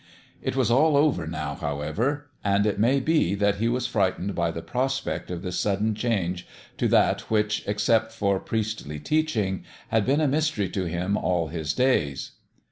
It was all over, now, how ever ; and it may be that he was frightened by the prospect of this sudden change to that which, except for priestly teaching, had been a mystery to him all his days.